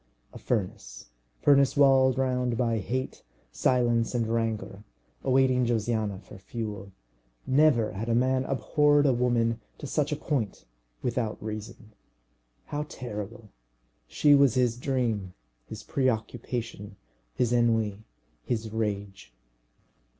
A furnace furnace walled round by hate, silence, and rancour, awaiting Josiana for fuel. Never had a man abhorred a woman to such a point without reason. How terrible! She was his dream, his preoccupation, his ennui, his rage.